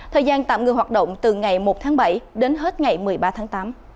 thời gian tạm ngư hoạt động từ ngày một tháng bảy đến hết ngày một mươi ba tháng tám